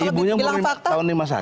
ibunya umurnya tahun lima puluh satu